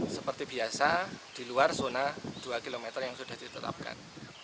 seperti biasa di luar zona dua km yang sudah ditetapkan